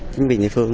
chính vì người phương